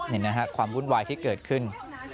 นี่นะฮะความวุ่นวายที่เกิดขึ้น